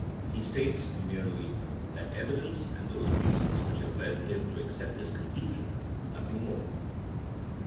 He states merely THINKma AS A SCIENGE 133 that evidence and those reasons which have led him to accept his conclusion, nothing more.